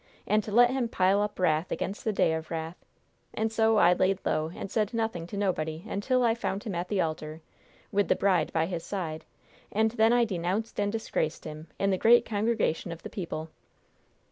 And to let him pile up wrath against the day of wrath! And so I laid low, and said nothing to nobody until I found him at the altar, with the bride by his side, and then I denounced and disgraced him, in the great congregation of the people!"